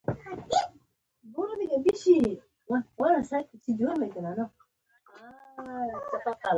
افغانستان د غالیو هېواد بلل کېږي.